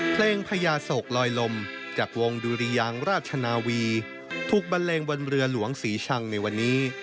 พญาโศกลอยลมจากวงดุริยางราชนาวีถูกบันเลงบนเรือหลวงศรีชังในวันนี้